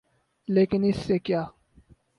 لیکن اس سے کیا؟